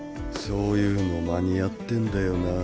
そういうの間に合ってんだよな。